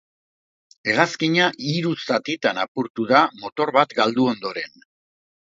Hegazkina hiru zatitan apurtu da, motor bat galdu ondoren.